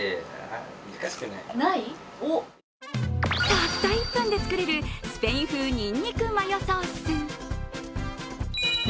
たった１分で作れるスペイン風にんにくマヨソース。